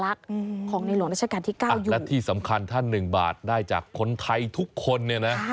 และที่สำคัญถ้า๑บาทได้จากคนไทยทุกคนเนี่ยนะ